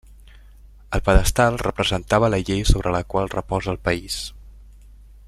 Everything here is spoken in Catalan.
El pedestal representava la llei sobre la qual reposa el país.